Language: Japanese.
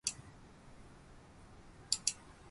うちの犬ってすごいかわいい